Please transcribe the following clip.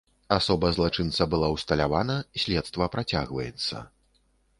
Асоба злачынца была ўсталявана, следства працягваецца.